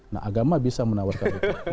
nah agama bisa menawarkan itu